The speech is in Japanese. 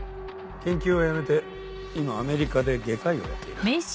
研究はやめて今アメリカで外科医をやっている。